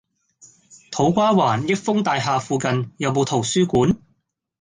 土瓜灣益豐大廈附近有無圖書館？